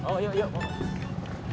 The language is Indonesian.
oh yuk yuk